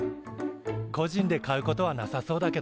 個人で買うことはなさそうだけど。